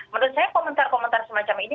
menurut saya komentar komentar semacam ini